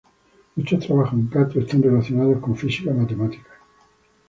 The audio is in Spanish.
Muchos trabajos de Kato están relacionados con Física-Matemática.